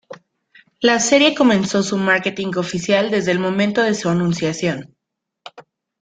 La serie comenzó su marketing oficial desde el momento de su anunciación.